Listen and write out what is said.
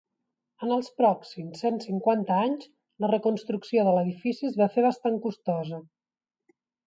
En els pròxims cent cinquanta anys, la reconstrucció de l'edifici es va fer bastant costosa.